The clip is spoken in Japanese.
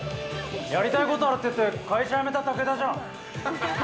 やりたいことあるって言って会社辞めたタケダじゃん。